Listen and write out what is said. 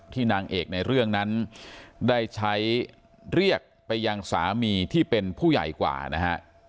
นางเอกในเรื่องนั้นได้ใช้เรียกไปยังสามีที่เป็นผู้ใหญ่กว่านะฮะ